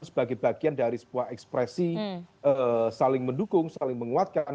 sebagai bagian dari sebuah ekspresi saling mendukung saling menguatkan